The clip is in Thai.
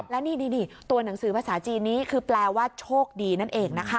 และนี่ตัวหนังสือภาษาจีนนี้คือแปลว่าโชคดีนั่นเองนะคะ